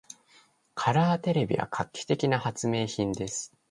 カラーテレビは画期的な発明品です。